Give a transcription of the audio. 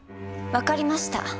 わかりました。